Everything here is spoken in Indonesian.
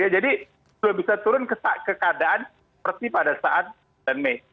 jadi sudah bisa turun ke keadaan seperti pada saat sembilan mei